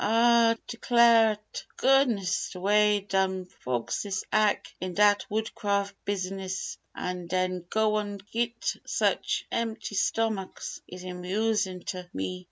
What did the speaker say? "Ah d'clare t' goodness, d' way dem fo'kses ack in dat Woodcraf' bisnis, an' den go an' git such empty stomacks, is amusin' t' me!